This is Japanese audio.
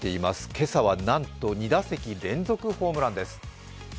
今朝はなんと、２打席連続のホームランです。